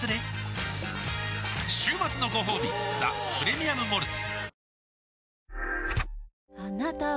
週末のごほうび「ザ・プレミアム・モルツ」おおーーッ